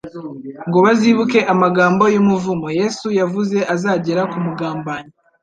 ngo bazibuke amagambo y'umuvumo Yesu yavuze azagera ku mugambanyi.